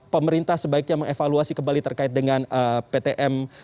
pemerintah sebaiknya mengevaluasi kembali terkait dengan ptm